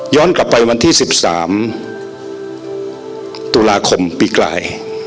ย้อนกลับไปวันที่๑๓ตุลาคมปีใกล้